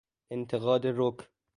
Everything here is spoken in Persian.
انتقاد رک